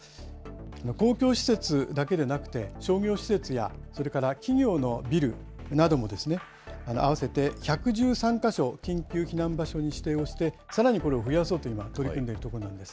公共施設だけでなくて、商業施設やそれから企業のビルなどもですね、合わせて１１３か所、緊急避難場所に指定をして、さらにこれを増やそうと、今、取り組んでいるところなんです。